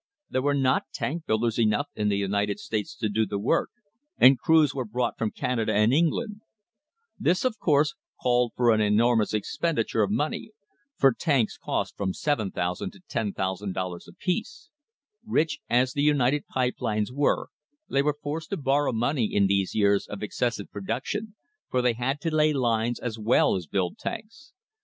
There were not tank builders enough in the United States to do the work, and crews were brought from Canada and England. This, of course, called for an enormous expendi THE HISTORY OF THE STANDARD OIL COMPANY ture of money, for tanks cost from $7,000 to $10,000 apiece. Rich as the United Pipe Lines were they were forced to bor row money in these years of excessive production, for they had to lay lines as well as build tanks.